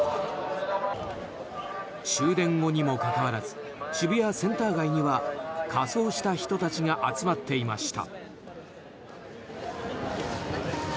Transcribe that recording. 終電後にもかかわらず渋谷センター街には仮装した人たちが集まっていました。